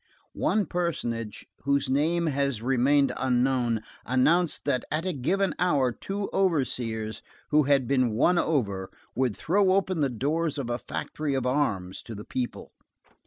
One personage, whose name has remained unknown, announced that at a given hour two overseers who had been won over, would throw open the doors of a factory of arms to the people.